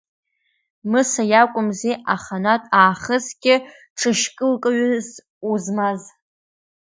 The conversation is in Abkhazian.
Мыса иакәымзи аханатә аахысгьы ҽышькылкҩыс узмаз!